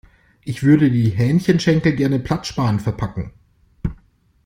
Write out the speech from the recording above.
Ich würde die Hähnchenschenkel gerne platzsparend verpacken.